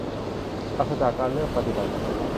ปราศจากการเลือกปฏิบัติ